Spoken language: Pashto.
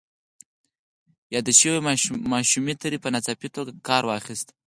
يادې شوې ماشومې ترې په ناڅاپي توګه کار واخيست.